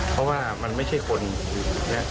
แทงเข้าที่